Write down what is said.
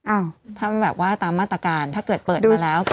อ้าวถ้าแบบว่าตามมาตรการถ้าเกิดเปิดมาแล้ว